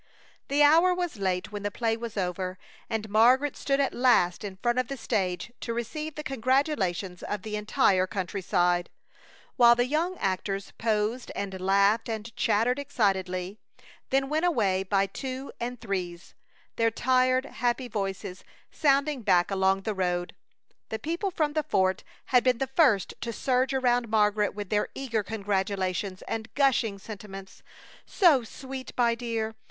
The hour was late when the play was over, and Margaret stood at last in front of the stage to receive the congratulations of the entire countryside, while the young actors posed and laughed and chattered excitedly, then went away by two and threes, their tired, happy voices sounding back along the road. The people from the fort had been the first to surge around Margaret with their eager congratulations and gushing sentiments: "So sweet, my dear!